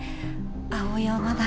葵はまだ。